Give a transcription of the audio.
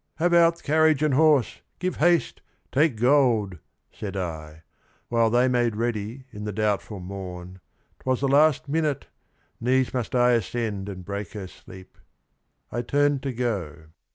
' Have out Carriage and horse, give haste, take gold !' said I. While they made ready in the doubtful morn, — 'T was the last minute, — needs must I ascend And break her sleep; I turned to go.